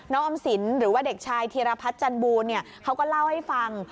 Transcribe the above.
ออมสินหรือว่าเด็กชายธีรพัฒน์จันบูลเขาก็เล่าให้ฟัง